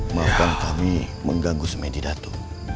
maafkan kami mengganggu semen di dato